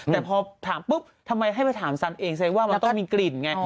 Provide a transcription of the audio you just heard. แต่พอถามปุ๊บทำไมให้ไปถามซันเองแสดงว่ามันต้องมีกลิ่นไง